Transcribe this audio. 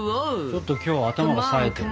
ちょっときょう頭がさえてるな。